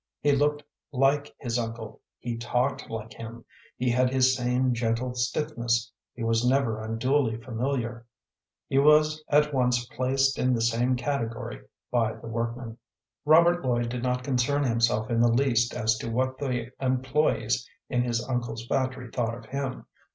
He looked like his uncle, he talked like him, he had his same gentle stiffness, he was never unduly familiar. He was at once placed in the same category by the workmen. Robert Lloyd did not concern himself in the least as to what the employés in his uncle's factory thought of him.